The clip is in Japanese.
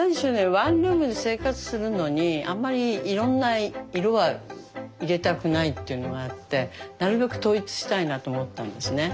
ワンルームで生活するのにあんまりいろんな色は入れたくないっていうのがあってなるべく統一したいなと思ったんですね。